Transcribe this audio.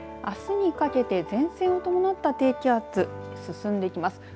あすにかけて前線を伴った低気圧進んでいきます。